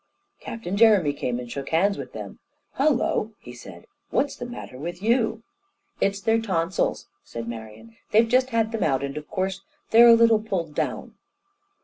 Captain Jeremy came and shook hands with them. "Hullo," he said, "what's the matter with you?" "It's their tonsils," said Marian. "They've just had them out, and of course they're a little pulled down."